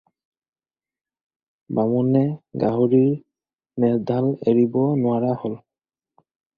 বামুণে গাহৰিৰ নেজডাল এৰিব নোৱাৰা হ'ল